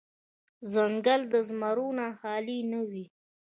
ـ ځنګل د زمرو نه خالې نه وي.